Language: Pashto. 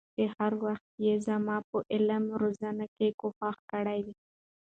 چې هر وخت يې زما په علمي روزنه کي کوښښ کړي